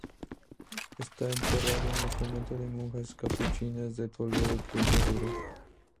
Está enterrado en el convento de las monjas capuchinas de Toledo, que el restauró.